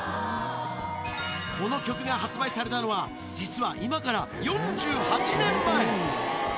この曲が発売されたのは、実は今から４８年前。